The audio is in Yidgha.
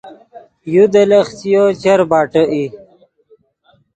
یو دے لخچیو چر باٹے ای